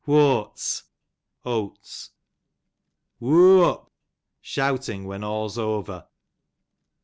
Whoats, oats. Whoo up, shouting when all's over.